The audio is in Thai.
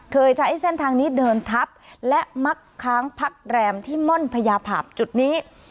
ใช้เส้นทางนี้เดินทับและมักค้างพักแรมที่ม่อนพญาภาพจุดนี้